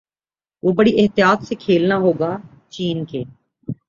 وہ بڑی احتیاط سے کھیلنا ہوگا چین کے